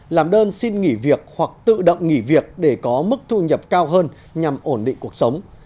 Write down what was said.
làm đơn xin nghỉ việc hoặc tự động nghỉ việc để có mức thu nhập cao hơn nhằm ổn định cuộc sống